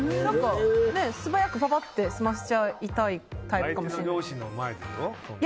素早くパパッと済ましちゃいたいタイプかもしれない。